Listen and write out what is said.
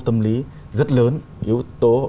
tâm lý rất lớn yếu tố